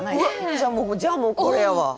じゃあもうじゃあもうこれやわ。